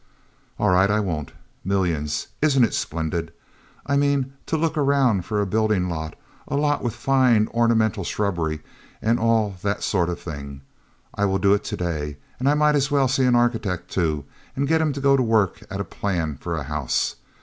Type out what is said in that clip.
"All right I won't. Millions! Isn't it splendid! I mean to look around for a building lot; a lot with fine ornamental shrubbery and all that sort of thing. I will do it to day. And I might as well see an architect, too, and get him to go to work at a plan for a house.